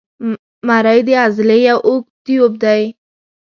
مرۍ د عضلې یو اوږد تیوب دی.